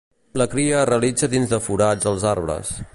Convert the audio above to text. La cria es realitza dins de forats als arbres.